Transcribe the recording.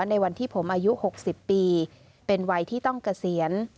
ในวันที่ผมอายุ๖๐ปีเป็นวัยที่ต้องเกษียณ